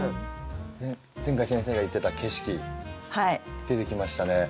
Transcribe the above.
前回先生が言ってた「景色」出てきましたね。